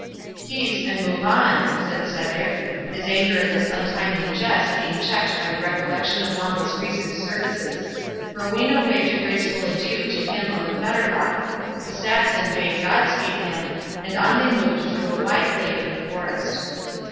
"Peace, and move on," said Cedric, his anger at this untimely jest being checked by the recollection of Wamba's recent services. Rowena waved a graceful adieu to him of the Fetterlock—the Saxon bade God speed him, and on they moved through a wide glade of the forest.